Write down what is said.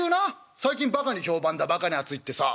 最近バカに評判だバカに熱いってさ。